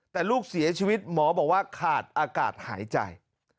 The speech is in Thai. แต่ลูกเสียชีวิตหมอบอกว่าขาดอากาศหายใจ